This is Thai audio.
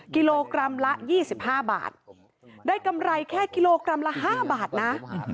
กิโลกรัมละยี่สิบห้าบาทได้กำไรแค่กิโลกรัมละห้าบาทนะ